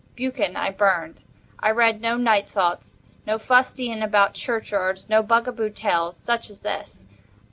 "Buchan" I burned. I read no "Night Thoughts"—no fustian about churchyards—no bugaboo tales—such as this.